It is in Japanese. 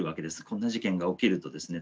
こんな事件が起きるとですね